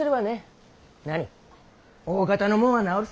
なにおおかたのもんは治るさ。